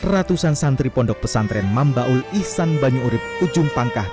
ratusan santri pondok pesantren mambaul ihsan banyu urib ujung pangkah